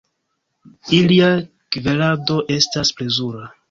Ilia kverado estas plezura.